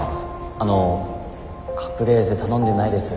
あのカプレーゼ頼んでないです。